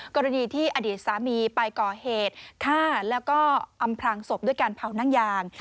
กรณีที่อดีตสามีไปก่อเหตุฆ่าแล้วก็อำพลางศพด้วยการเผานั่งยาง